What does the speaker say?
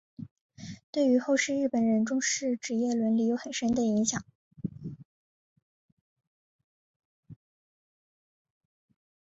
对于后世日本人重视职业伦理有很深的影响。